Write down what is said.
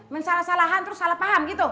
mensalah salahan terus salah paham gitu